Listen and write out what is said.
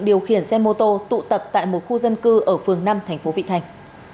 điều khiển xe mô tô tụ tập tại một khu dân cư ở phường năm thành phố vị thành